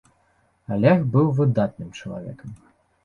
Алег быў выдатным чалавекам.